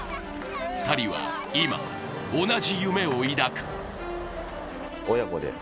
２人は今、同じ夢を抱く。